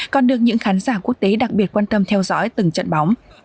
còn được những khán giả quốc tế đặc biệt quan tâm theo dõi từng trận bóng